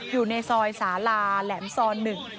อยู่ในซอยสาลาแหลมซอน๑